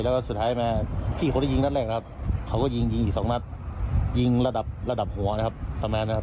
แล้วก็สุดท้ายมาพี่คนที่ยิงนัดแรกนะครับเขาก็ยิงยิงอีกสองนัดยิงระดับระดับหัวนะครับประมาณนั้นครับ